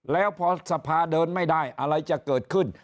แล้วพอสภาเดินไม่ได้อะไรจะเกิดขึ้น